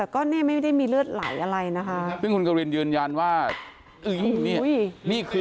คลินพงกลัวอย่างนั้น